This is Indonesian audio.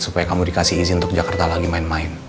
supaya kamu dikasih izin untuk jakarta lagi main main